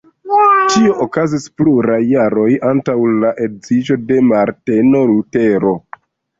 Tio okazis pluraj jaroj antaŭ la edziĝo de Marteno Lutero.